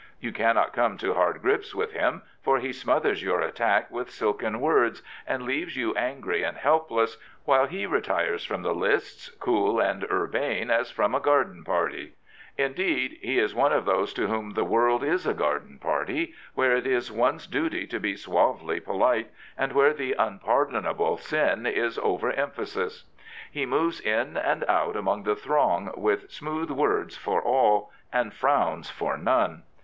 You cannot come to hard grips with fflm, for he smothers your attack with silken words and leaves you angry and helpless, while he retires from the lists, cool and urbane as from a garden party. Indeed, he is one of those to whom the world is a 1Z2 The Primate garden party where it is one's duty to be suavely polite, and where the unpardonable sin is over emphasis. He moves in and out among the throng with smooth words for all, and frowns for none.